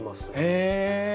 へえ。